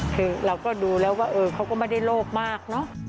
คือเราก็ดูแล้วว่าเขาก็ไม่ได้โลกมากเนอะ